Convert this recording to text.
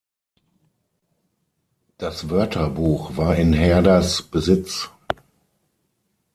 Das Wörterbuch war in Herders Besitz.